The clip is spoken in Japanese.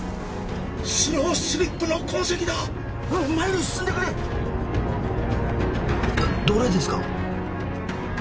スロースリップの痕跡だ前に進んでくれどれですか？